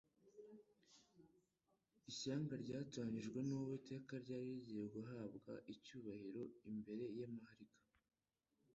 ishyanga ryatoranyijwe n'Uwiteka ryari rigiye guhabwa icyubahiro imbere y'amahariga